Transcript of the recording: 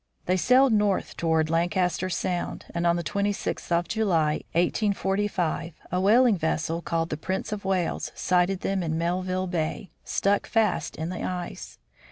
They sailed north toward Lancaster sound, and on the 26th of July, 1845, a whaling Vessel, called the Prince of Wales, sighted them in Melville bay, stuck fast in the ice.